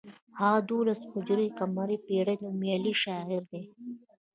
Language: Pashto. هغه د دولسم هجري قمري پیړۍ نومیالی شاعر دی.